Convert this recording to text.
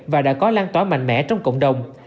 và đã có lan tỏa mạnh mẽ trong cộng đồng